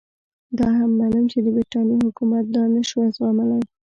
دا هم منم چې د برټانیې حکومت دا نه شوای زغملای.